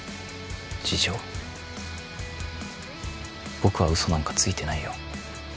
僕はウソなんかついてないよ